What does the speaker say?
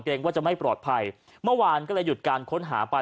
ว่าจะไม่ปลอดภัยเมื่อวานก็เลยหยุดการค้นหาไป